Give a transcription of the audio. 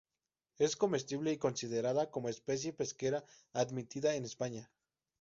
Es comestible y considerada como especie pesquera admitida en España.